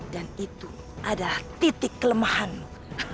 dan itu adalah titik kelemahanmu